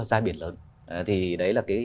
ra biển lớn thì đấy là cái